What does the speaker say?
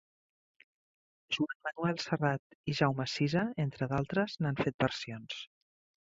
Joan Manuel Serrat i Jaume Sisa, entre d'altres, n'han fet versions.